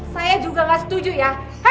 saya juga nggak setuju ya